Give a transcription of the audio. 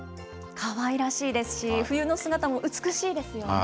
かわいらしいですし、冬の姿も美しいですよね。